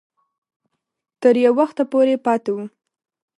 تر یو وخته پورې پاته وو.